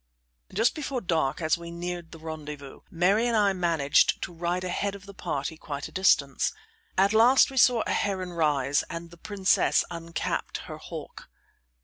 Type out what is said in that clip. Just before dark, as we neared the rendezvous, Mary and I managed to ride ahead of the party quite a distance. At last we saw a heron rise, and the princess uncapped her hawk.